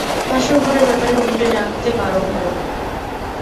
বাসরঘরের ব্যাপারে মুটে ডাকতে বারণ কোরো।